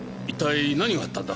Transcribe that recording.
何があったんだ？